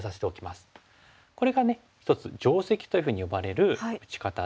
これがね一つ「定石」というふうに呼ばれる打ち方で。